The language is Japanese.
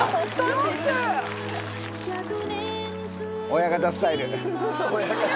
親方スタイル。